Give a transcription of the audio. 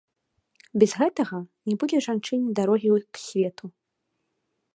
Без гэтага не будзе жанчыне дарогі к свету.